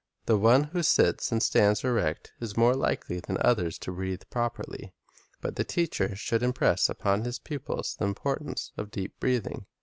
The one who sits and stands erect is more likely than others to breathe properly. But the teacher should impress upon his pupils the impor tance of deep breathing.